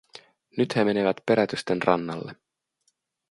Nyt he menevät perätysten rannalle.